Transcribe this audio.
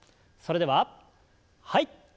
それでははい。